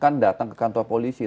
kan datang ke kantor polisi